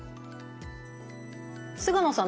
菅野さん